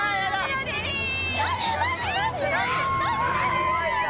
すごいよ、棒。